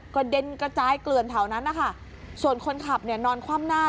กระเด็นกระจายเกลือนเท่านั้นนะคะส่วนคนขับนอนคว่ำหน้า